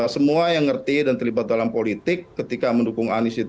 semua yang ngerti dan terlibat dalam politik ketika mendukung anies itu